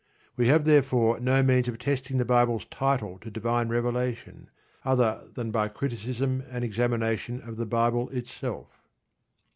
We have therefore no means of testing the Bible's title to divine revelation other than by criticism and examination of the Bible itself.